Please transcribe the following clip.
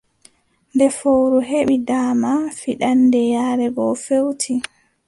Nde fowru heɓi daama, fiɗaande yaare go feewti,